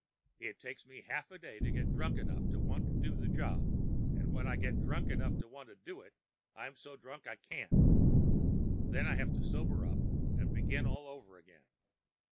It takes me half a day to get drunk enough to want to do the job, and when I get drunk enough to want to do it I'm so drunk I can't. Then I have to sober up and begin all over again.